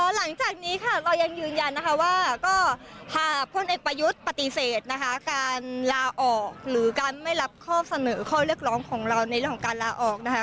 หลังจากนี้ค่ะเรายังยืนยันนะคะว่าก็หากพลเอกประยุทธ์ปฏิเสธนะคะการลาออกหรือการไม่รับข้อเสนอข้อเรียกร้องของเราในเรื่องของการลาออกนะคะ